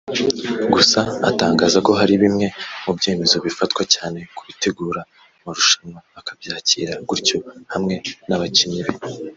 gusa atangaza ko hari bimwe mu byemezo bifatwa cyane ku bategura marushanwa akabyakira gutyo hamwe n’abakinnyi be